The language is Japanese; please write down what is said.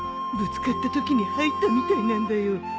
ぶつかったときに入ったみたいなんだよ。